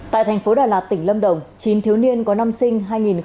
tại thành phố đà lạt tỉnh lâm đồng chín thiếu niên có năm sinh hai nghìn sáu hai nghìn bảy